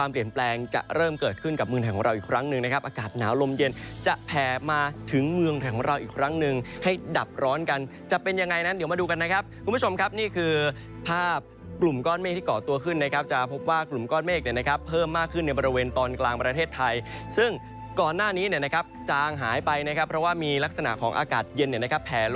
ถึงเมืองไทยของเราอีกครั้งนึงให้ดับร้อนกันจะเป็นยังไงนั้นเดี๋ยวมาดูกันนะครับคุณผู้ชมครับนี่คือภาพกลุ่มก้อนเมฆที่เกาะตัวขึ้นนะครับจะพบว่ากลุ่มก้อนเมฆเนี่ยนะครับเพิ่มมากขึ้นในบริเวณตอนกลางประเทศไทยซึ่งก่อนหน้านี้เนี่ยนะครับจางหายไปนะครับเพราะว่ามีลักษณะของอากาศเย็นเ